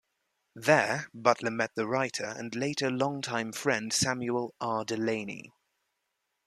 There, Butler met the writer and later longtime friend Samuel R. Delany.